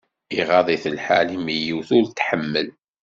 Iɣaḍ-it lḥal imi yiwet ur t-tḥemmel.